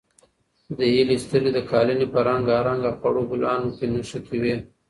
د هیلې سترګې د قالینې په رنګارنګ او خړو ګلانو کې نښتې وې.